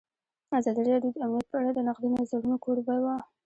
ازادي راډیو د امنیت په اړه د نقدي نظرونو کوربه وه.